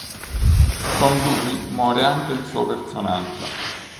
Con lui muore anche il suo personaggio.